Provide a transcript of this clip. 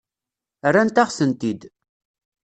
Rrant-aɣ-tent-id.